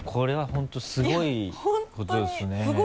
本当にすごいことですね。